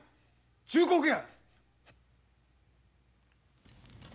忠告や！